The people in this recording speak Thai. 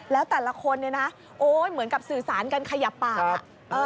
แล้วแต่ละคนเหมือนกับสื่อสารกันขยับปาก